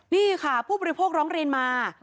นี่ค่ะผู้บริโภคร้องเรียนมา